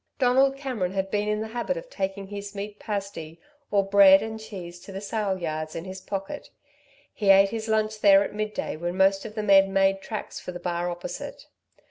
Donald Cameron had been in the habit of taking his meat pasty, or bread and cheese sandwich to the sale yards in his pocket. He ate his lunch there at midday when most of the men made tracks for the bar opposite.